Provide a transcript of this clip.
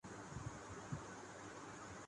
بلندیوں سے گرتے ہوئے خوبصورت آبشار